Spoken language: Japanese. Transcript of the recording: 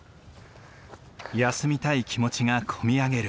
休みたい気持ちが込み上げる。